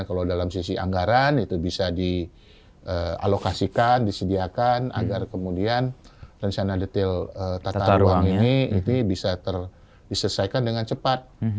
kalau dalam sisi anggaran itu bisa dialokasikan disediakan agar kemudian rencana detail tata ruang ini itu bisa terselesaikan dengan cepat